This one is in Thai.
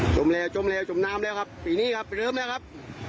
มแล้วจมแล้วจมน้ำแล้วครับปีนี้ครับเริ่มแล้วครับ